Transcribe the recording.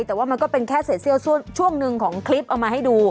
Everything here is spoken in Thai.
แต่ว่ามันก็เป็นแค่เศษเซี่ยวช่วงหนึ่งของคลิปเอามาให้ดู